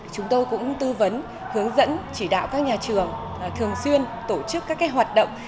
chúng tôi cũng tư vấn hướng dẫn chỉ đạo các nhà trường thường xuyên tổ chức các hoạt động